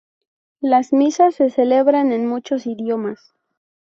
Las Misas se celebran en muchos idiomas.